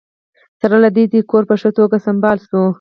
سره له دې کور په ښه توګه سمبال شوی و